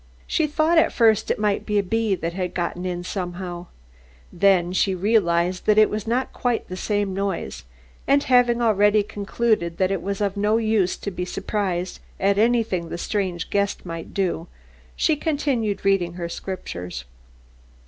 She thought at first it might be a bee that had got in somehow. Then she realised that it was not quite the same noise, and having already concluded that it was of no use to be surprised at anything this strange guest might do, she continued reading her scriptures.